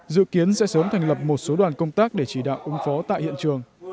dự kiến sẽ sớm thành lập một số đoàn công tác để chỉ đạo ứng phó tại hiện trường